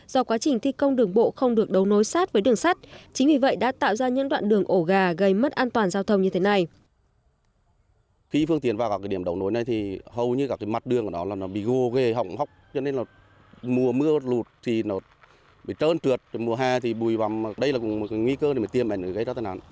do quá trình thi công đường bộ không được đấu nối sát với đường sắt chính vì vậy đã tạo ra những đoạn đường ổ gà gây mất an toàn giao thông như thế này